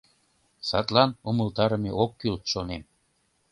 Садлан умылтарыме ок кӱл, шонем.